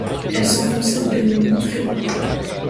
Elle s’enfonçait en pleine nuit, très-loin.